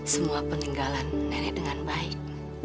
semua peninggalan nenek dengan baik